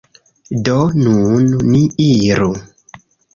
Do, nun ni iru